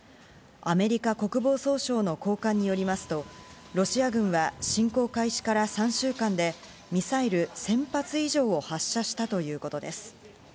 アメリカ国防総省の高官によりますと、ロシア軍は侵攻開始から３週間でミサイル１０００発以上を発射したということです。